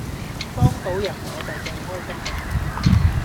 幫倒人我就最開心㗎